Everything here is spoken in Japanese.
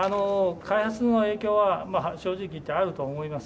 開発の影響は正直言って、あると思います。